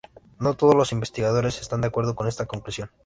No todos los investigadores están de acuerdo con esta conclusión.